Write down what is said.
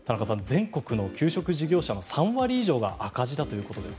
全国の給食事業者の３割以上が赤字だということです。